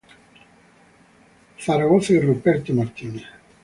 Zaragoza y Ruperto Martínez.